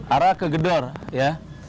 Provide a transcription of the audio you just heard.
arah ke gedor ya